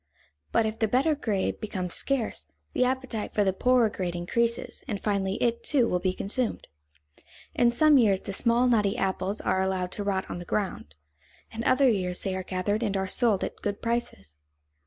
But if the better grade becomes scarce, the appetite for the poorer grade increases, and finally it, too, will be consumed. In some years the small, knotty apples are allowed to rot on the ground; in other years they are gathered and are sold at good prices.